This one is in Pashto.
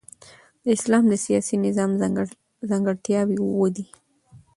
د اسلام د سیاسي نظام ځانګړتیاوي اووه دي.